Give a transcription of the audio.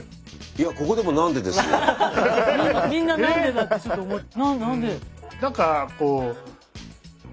みんな何でだってちょっと何で。